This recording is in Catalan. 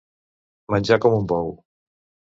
Menjar com un bou.